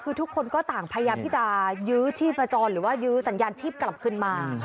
คือทุกคนก็ต่างพยายามที่จะยื้อชีพจรหรือว่ายื้อสัญญาณชีพกลับขึ้นมา